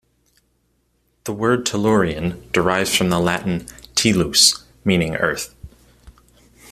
The word tellurion derives from the Latin "tellus", meaning Earth.